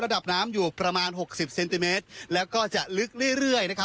ระดับน้ำอยู่ประมาณหกสิบเซนติเมตรแล้วก็จะลึกเรื่อยนะครับ